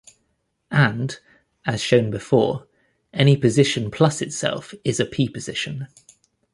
And, as shown before, any position plus itself is a P-position.